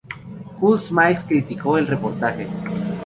Kool Smiles criticó el reportaje.